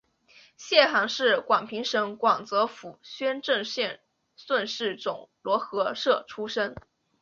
谢涵是广平省广泽府宣政县顺示总罗河社出生。